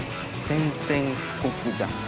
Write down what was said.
◆宣戦布告だ。